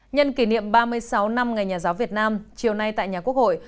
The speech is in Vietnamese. nhân kỷ niệm ba mươi sáu năm ngày nhà giáo việt nam chiều nay tại nhà quốc hội